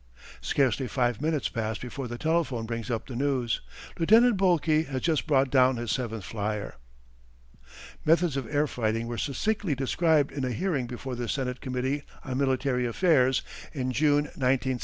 Scarcely five minutes pass before the telephone brings up this news: Lieutenant Boelke has just brought down his seventh flyer. Methods of air fighting were succinctly described in a hearing before the Senate Committee on Military Affairs, in June, 1917.